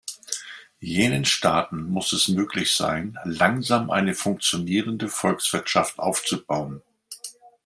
Jenen Staaten muss es möglich sein, langsam eine funktionierende Volkswirtschaft aufzubauen.